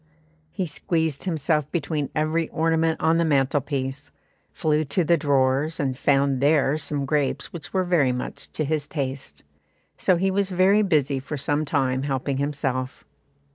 He squeezed himself between every ornament on the mantlepiece, flew to the drawers, and found there some grapes which were very much to his taste; so he was busy for some time helping himself.